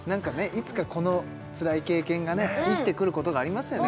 いつかこのつらい経験がね生きてくることがありますよね